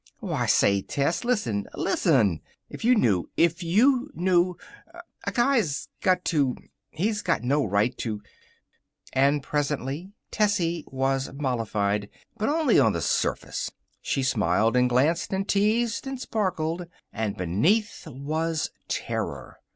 "Why, say, Tess, listen! Listen! If you knew if you knew A guy's got to he's got no right to " And presently Tessie was mollified, but only on the surface. She smiled and glanced and teased and sparkled. And beneath was terror.